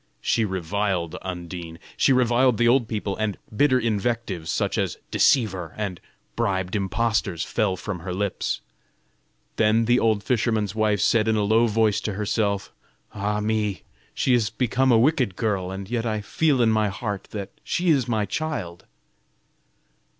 She reviled Undine, she reviled the old people, and bitter invectives, such as "deceiver" and "bribed impostors," fell from her lips. Then the old fisherman's wife said in a low voice to herself: "Ah me, she is become a wicked girl; and yet I feel in my heart that she is my child."